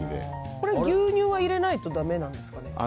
これ牛乳は入れないとだめなんですかね？